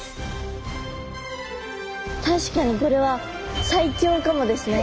確かにこれは最強かもですね。